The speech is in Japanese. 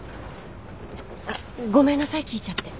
あっごめんなさい聞いちゃって。